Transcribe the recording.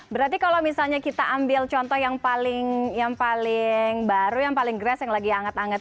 berarti kalau misalnya kita ambil contoh yang paling baru yang paling grash yang lagi hangat anget